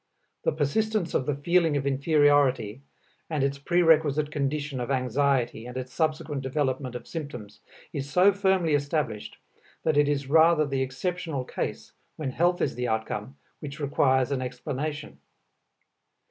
The persistence of the feeling of inferiority, and its prerequisite condition of anxiety and its subsequent development of symptoms, is so firmly established that it is rather the exceptional case, when health is the outcome, which requires an explanation.